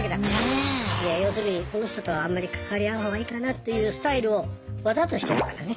要するにこの人とはあまり関わり合わんほうがいいかなというスタイルをわざとしてるからね。